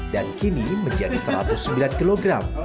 kini menjadi satu ratus sembilan kg